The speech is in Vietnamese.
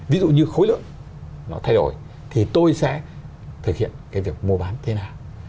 ví dụ như khối lượng nó thay đổi thì tôi sẽ thực hiện cái việc mua bán thế nào